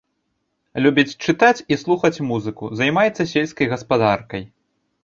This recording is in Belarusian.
Любіць чытаць і слухаць музыку, займаецца сельскай гаспадаркай.